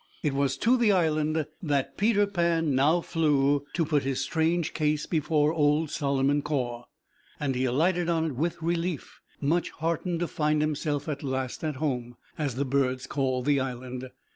It was to the island that Peter now flew to put his strange case before old Solomon Caw, and he alighted on it with relief, much heartened to find himself at last at home, as the birds call the island.